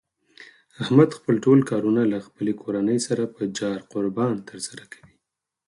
احمد خپل ټول کارونه له خپلې کورنۍ سره په جار قربان تر سره کوي.